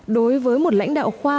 đối với một lãnh đạo khoa